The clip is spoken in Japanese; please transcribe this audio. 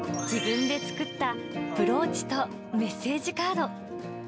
自分で作ったブローチとメッセージカード。